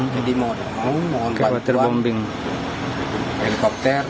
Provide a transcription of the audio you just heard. jadi mau ada yang mau mohon bantuan helikopter